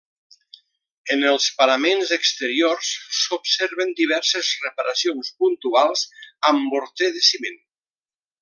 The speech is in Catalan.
En els paraments exteriors s'observen diverses reparacions puntuals amb morter de ciment.